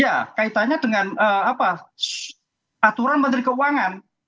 ya kaitannya dengan aturan menteri keuangan